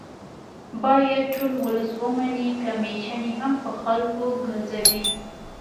باید ټول ولس ومني که میچنې هم په خلکو ګرځوي